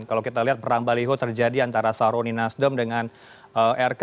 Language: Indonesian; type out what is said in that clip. kalau kita lihat perang baliho terjadi antara sahroni nasdem dengan rk